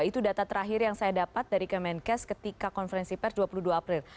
itu data terakhir yang saya dapat dari kemenkes ketika konferensi pers dua puluh dua april